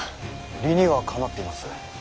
理にはかなっています。